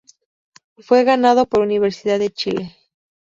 Fue ganado por Universidad de Chile.